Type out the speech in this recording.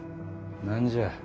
何じゃ。